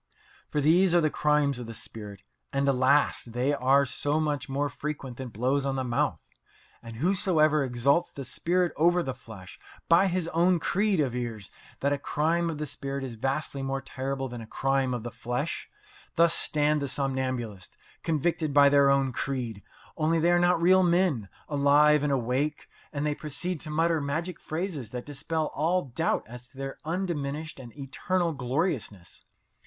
For these are the crimes of the spirit, and, alas! they are so much more frequent than blows on the mouth. And whosoever exalts the spirit over the flesh, by his own creed avers that a crime of the spirit is vastly more terrible than a crime of the flesh. Thus stand the somnambulists convicted by their own creed only they are not real men, alive and awake, and they proceed to mutter magic phrases that dispel all doubt as to their undiminished and eternal gloriousness.